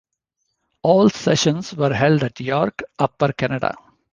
All sessions were held at York, Upper Canada.